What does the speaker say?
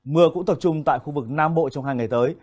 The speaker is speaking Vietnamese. mưa cũng tập trung tại khu vực nam bộ trong hai ngày tới